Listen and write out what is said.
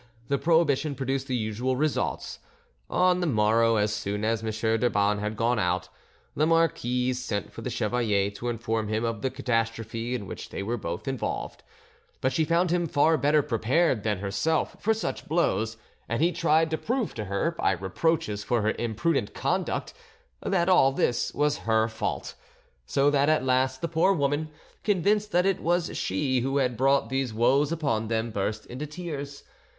The prohibition produced the usual results: on the morrow, as, soon as M. d'Urban had gone out, the marquise sent for the chevalier to inform him of the catastrophe in which they were both involved; but she found him far better prepared than herself for such blows, and he tried to prove to her, by reproaches for her imprudent conduct, that all this was her fault; so that at last the poor woman, convinced that it was she who had brought these woes upon them, burst into tears.